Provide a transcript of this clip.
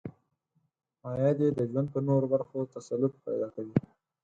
عاید یې د ژوند په نورو برخو تسلط پیدا کوي.